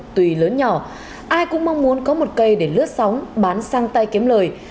tùy lớn nhỏ ai cũng mong muốn có một cây để lướt sóng bán sang tay kiếm lời